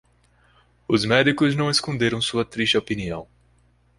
Os médicos não esconderam sua triste opinião.